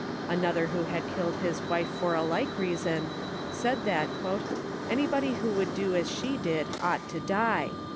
Another who had killed his wife for a like reason, said that " anybody who would do as she did ought to die."